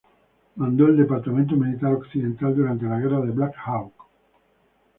Mandó el Departamento Militar occidental durante la Guerra de Black Hawk.